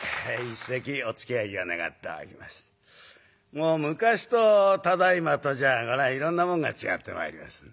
もう昔とただいまとじゃこれはいろんなもんが違ってまいります。